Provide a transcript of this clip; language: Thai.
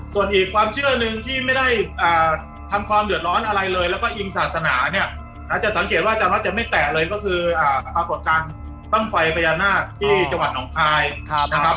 ส่วนอีกความเชื่อหนึ่งที่ไม่ได้ทำความเดือดร้อนอะไรเลยแล้วก็อิงศาสนาเนี่ยอาจจะสังเกตว่าอาจารย์วัดจะไม่แตะเลยก็คือปรากฏการณ์บ้างไฟพญานาคที่จังหวัดหนองคายนะครับ